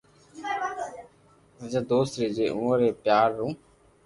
سچا دوست ري جي اووہ ري پيار رو